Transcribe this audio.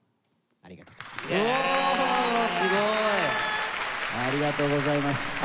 ありがとうございます。